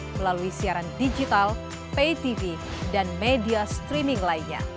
melalui siaran digital pay tv dan media streaming lainnya